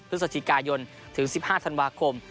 พฤศจิกายนถึง๑๕ธันวาคม